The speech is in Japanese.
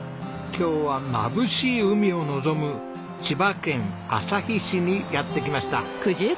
今日はまぶしい海を望む千葉県旭市にやって来ました。